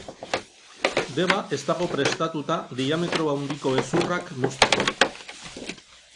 Deba ez dago prestatuta diametro handiko hezurrak mozteko.